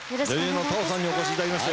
太鳳さんにお越しいただきました。